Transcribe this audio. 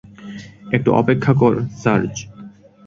একটু অপেক্ষা কর, সার্জ!